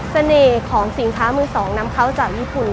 เสน่ห์ของสินค้ามือสองนำเข้าจากญี่ปุ่น